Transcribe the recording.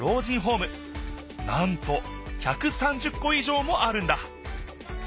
なんと１３０こいじょうもあるんだ